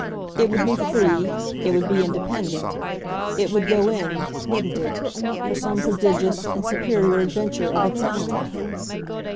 It would be free, it would be independent, it would go in wouldn't it? for some prodigious and superior adventure of its own.